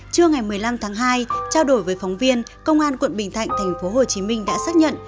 trưa ngày một mươi năm tháng hai trao đổi với phóng viên công an quận bình thạnh tp hcm đã xác nhận